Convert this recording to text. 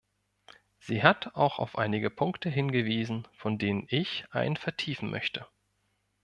Sie hat auch auf einige Punkte hingewiesen, von denen ich einen vertiefen möchte.